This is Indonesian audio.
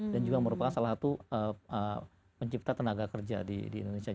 dan juga merupakan salah satu pencipta tenaga kerja di indonesia